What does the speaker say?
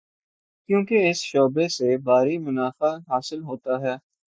کیونکہ اس شعبے سے بھاری منافع حاصل ہوتا ہے۔